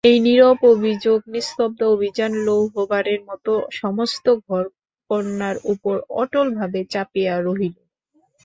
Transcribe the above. এই নীরব অভিযোগ নিস্তব্ধ অভিমান লৌহভারের মতো সমস্ত ঘরকন্নার উপর অটলভাবে চাপিয়া রহিল।